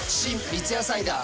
三ツ矢サイダー』